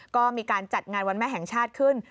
ก็มีการจัดงานวันแม่แห่งชาติขึ้น